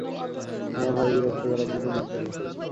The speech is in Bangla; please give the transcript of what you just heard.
হ্যাঁ হাই, বিরক্ত করার জন্য দুঃখিত।